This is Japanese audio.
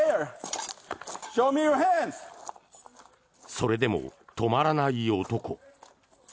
それでも止まらない男。